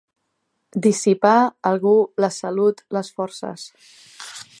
Dissipar, algú, la salut, les forces.